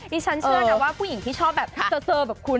ฉันเชื่อนะว่าผู้หญิงที่ชอบแบบเซอร์แบบคุณ